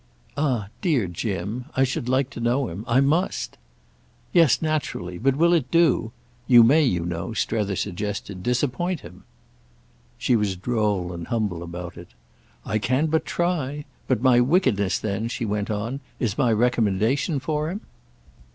"Ah dear Jim! I should like to know him. I must." "Yes, naturally. But will it do? You may, you know," Strether suggested, "disappoint him." She was droll and humble about it. "I can but try. But my wickedness then," she went on, "is my recommendation for him?"